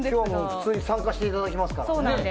普通に参加していただきますから。